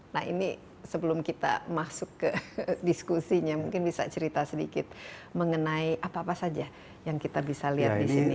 nah ini sebelum kita masuk ke diskusinya mungkin bisa cerita sedikit mengenai apa apa saja yang kita bisa lihat di sini